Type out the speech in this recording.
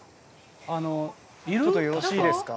あのちょっとよろしいですか？